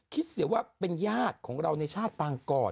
เสียว่าเป็นญาติของเราในชาติต่างก่อน